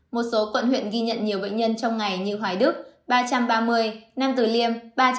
một số quận huyện ghi nhận nhiều bệnh nhân trong ngày như hoài đức ba trăm ba mươi nam tử liêm ba trăm một mươi năm